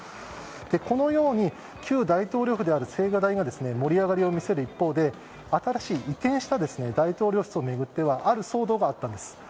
このように、旧大統領府では青瓦台が盛り上がりを見せる中ですが新しい移転した大統領室を巡ってはある騒動があったんです。